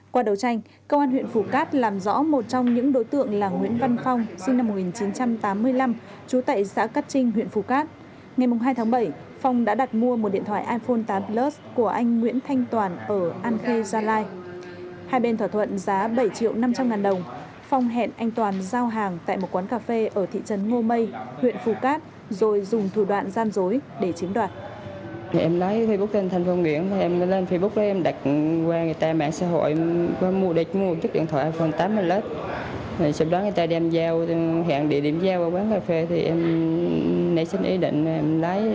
qua đầu tranh công an huyện phú cát làm rõ một trong những đối tượng là nguyễn văn phong sinh năm một nghìn chín trăm tám mươi năm